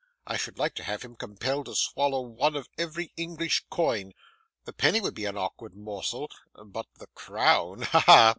I should like to have him compelled to swallow one of every English coin. The penny would be an awkward morsel but the crown ha! ha!